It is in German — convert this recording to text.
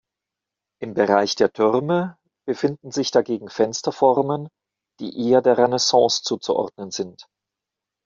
Im Bereich der Türme befinden sich dagegen Fensterformen, die eher der Renaissance zuzuordnen sind.